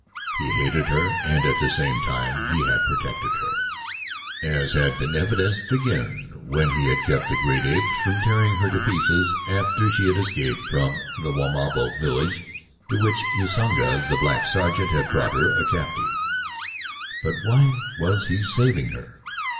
He hated her and at the same time he had protected her as had been evidenced again when he had kept the great apes from tearing her to pieces after she had escaped from the Wamabo village to which Usanga, the black sergeant, had brought her a captive; but why was he saving her?